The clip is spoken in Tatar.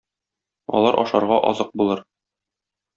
Алар ашарга азык булыр.